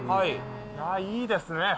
いいですね。